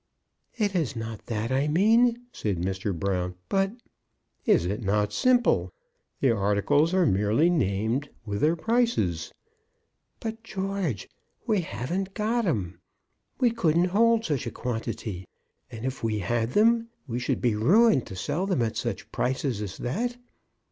"It is not that I mean," said Mr. Brown. "But " "Is it not simple? The articles are merely named, with their prices." "But, George, we haven't got 'em. We couldn't hold such a quantity. And if we had them, we should be ruined to sell them at such prices as that.